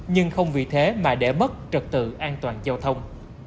nhưng không vì thế mà để mất trật tự an toàn giao thông